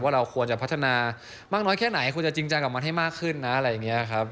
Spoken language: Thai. เราควรจะพัฒนามากน้อยแค่ไหนควรจะจริงจังกับมันให้มากขึ้นนะอะไรอย่างนี้ครับ